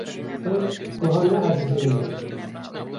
Ew wiha ne ezîzê min e.